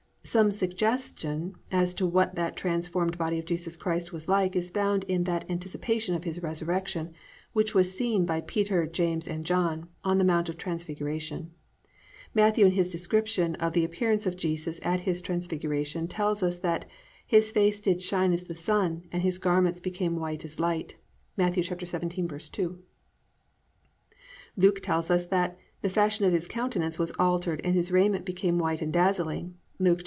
Some suggestion as to what that transformed body of Jesus Christ was like is found in that anticipation of His resurrection which was seen by Peter, James and John on the mount of transfiguration. Matthew in his description of the appearance of Jesus at His transfiguration, tells us that +"His face did shine as the sun, and his garments became white as the light"+ (Matt. 17:2). Luke tells us that +"the fashion of his countenance was altered and His raiment became white and dazzling"+ (Luke 9:29).